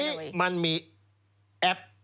อันนี้มันมีแอป